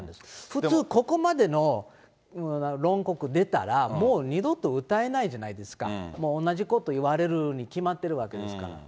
ふつうここまでの論告出たらもう二度と訴えないじゃないですか、もう同じこと言われるに決まってるから。